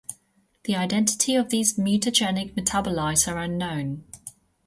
The identity of these mutagenic metabolites are unknown.